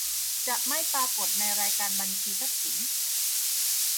จะไม่ปรากฏในรายการบัญชีทรัพย์สิน